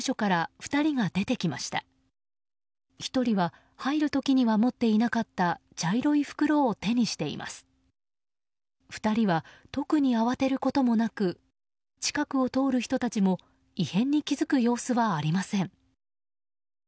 ２人は、特に慌てることもなく近くを通る人たちも異変に気づく様子はありません。